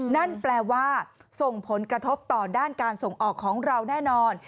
นั่นแปลว่าส่งผลกระทบต่อด้านการส่งออกของเราแน่นอน